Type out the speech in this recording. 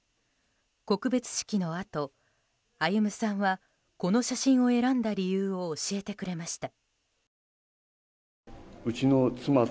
告別式のあと、歩さんはこの写真を選んだ理由を教えてくれました。